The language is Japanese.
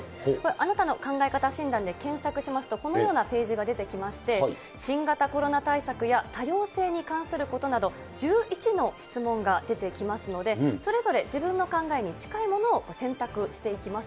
あなたの考え方診断で検索しますと、このようなページが出てきまして、新型コロナ対策や多様性に関することなど、１１の質問が出てきますので、それぞれ自分の考えに近いものを選択していきます。